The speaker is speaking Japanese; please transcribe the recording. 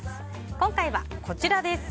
今回はこちらです。